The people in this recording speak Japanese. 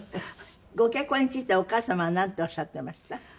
ご結婚についてはお母様はなんておっしゃっていました？